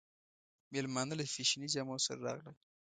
مېلمانه له فېشني جامو سره راغلل.